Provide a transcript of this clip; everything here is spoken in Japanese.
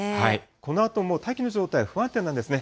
このあとも大気の状態不安定なんですね。